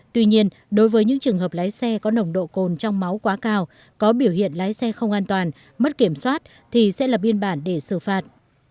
tuy nhiên đối với những trường hợp lái xe có nồng độ cồn trong máu quá cao có biểu hiện lái xe không an toàn mất kiểm soát thì sẽ là biên bản để xử phạt